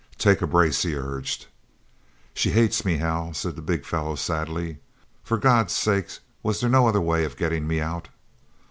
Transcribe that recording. "Take a brace," he urged. "She hates me, Hal," said the big fellow sadly. "For God's sake, was there no other way of getting me out?"